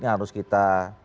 yang harus kita